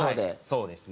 そうですね。